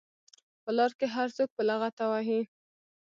په لار کې هر څوک په لغته وهي.